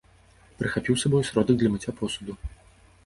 Прыхапіў з сабой і сродак для мыцця посуду.